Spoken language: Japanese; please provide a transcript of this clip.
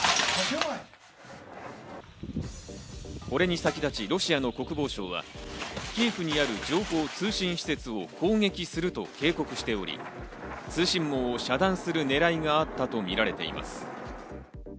これに先立ちロシアの国防省は、キエフにある情報・通信施設を攻撃すると警告しており、通信網を遮断する狙いがあったとみられています。